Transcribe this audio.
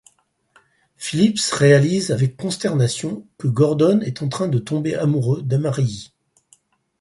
Phillips réalise avec consternation que Gordon est en train de tomber amoureux d'Amarilly.